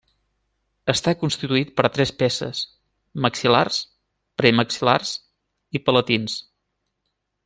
Està constituït per tres peces: maxil·lars, premaxil·lars i palatins.